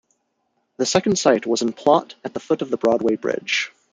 The second site was an plot at the foot of the Broadway Bridge.